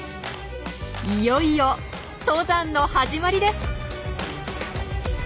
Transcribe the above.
いよいよ登山の始まりです。